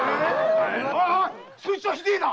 そいつはひでえな！